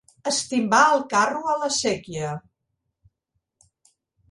Estimbà el carro a la séquia.